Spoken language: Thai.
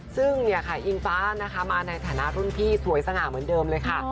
ซึ่งเนี่ยค่ะอิงฟ้านะคะมาในฐานะรุ่นพี่สวยสง่าเหมือนเดิมเลยค่ะ